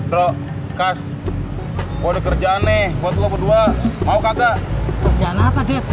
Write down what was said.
bro kas boleh kerjaan nih buat lo berdua mau kagak kerjaan apa